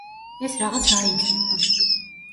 ეს რაღაც რა იქნება?